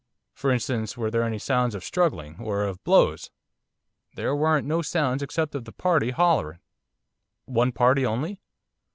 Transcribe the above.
For instance, were there any sounds of struggling, or of blows?' 'There weren't no sounds except of the party hollering.' 'One party only?